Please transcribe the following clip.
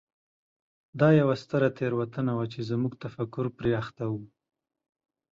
دا یوه ستره تېروتنه وه چې زموږ تفکر پرې اخته و.